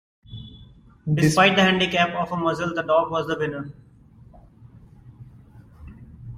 Despite the handicap of a muzzle, the dog was the winner.